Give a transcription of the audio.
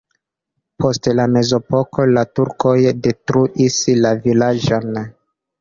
Post la mezepoko la turkoj detruis la vilaĝon.